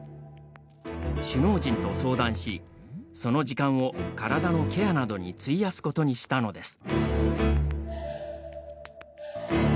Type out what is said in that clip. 首脳陣と相談しその時間を体のケアなどに費やすことにしたのです。